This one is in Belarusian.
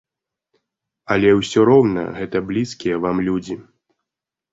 Але ўсё роўна гэта блізкія вам людзі.